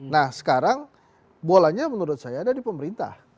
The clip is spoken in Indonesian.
nah sekarang bolanya menurut saya ada di pemerintah